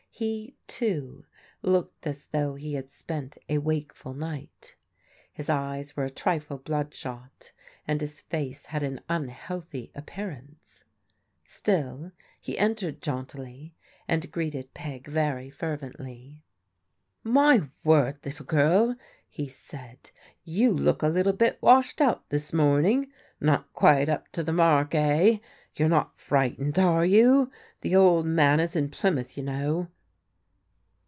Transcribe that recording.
He, too, looked as though he had spent a wakeful night. His eyes were a trifle bloodshot, and his face had an unhealthy appearance. Still he entered jauntily, and greeted Peggy very f erven tly. word, little girl," he said, "you look a little bit ELEANOR SECURES A POSITION 159 washed out this morning. Not quite up to the mark, eh ? You are not frightened, are you? The old man is in Plymouth, you know."